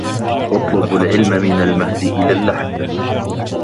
اطلبوا العلم من المهد إلى اللحد